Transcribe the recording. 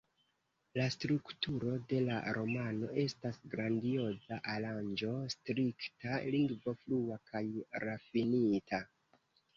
La strukturo de la romano estas grandioza, aranĝo strikta, lingvo flua kaj rafinita.